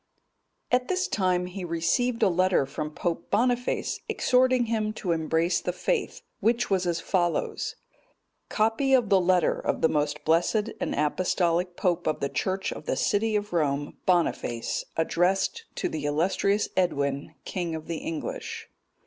] At this time he received a letter from Pope Boniface(217) exhorting him to embrace the faith, which was as follows: COPY OF THE LETTER OF THE MOST BLESSED AND APOSTOLIC POPE OF THE CHURCH OF THE CITY OF ROME, BONIFACE, ADDRESSED TO THE ILLUSTRIOUS EDWIN, KING OF THE ENGLISH.